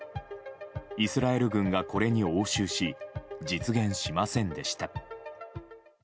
イスラエル軍がこれに応酬し実現しませんでした。